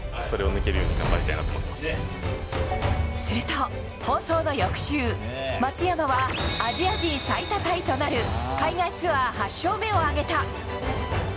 すると、放送の翌週松山はアジア人最多タイとなる海外ツアー８勝目を挙げた。